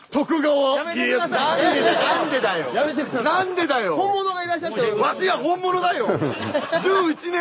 はい。